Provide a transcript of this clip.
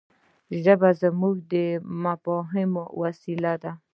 ژبه زموږ د مفاهيمي وسیله ده.